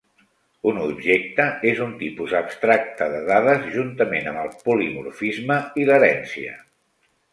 Un objecte és un tipus abstracte de dades juntament amb el polimorfisme i l'herència.